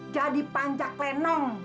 jadi pancak lenong